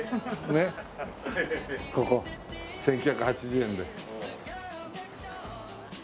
ここ１９８０円で。